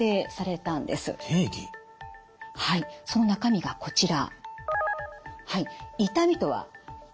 はいその中身がこちら。